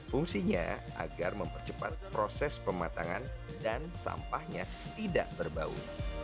fungsinya agar mempercepat proses pematangan dan sampahnya tidak berbau